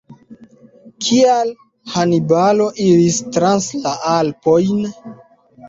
Kial Hanibalo iris trans la Alpojn?